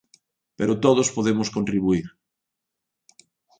Pero todos podemos contribuír.